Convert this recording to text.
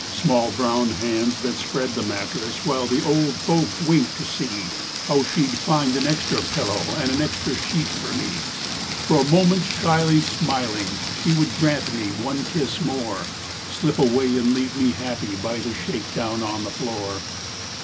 Small brown hands that spread the mattress, While the old folk winked to see How she'd find an extra pillow And an extra sheet for me. For a moment shyly smiling, She would grant me one kiss more Slip away and leave me happy By the shakedown on the floor.